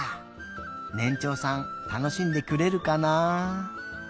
ねんちょうさんたのしんでくれるかな。